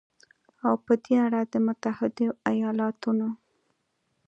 او په دې اړه د متحدو ایالتونو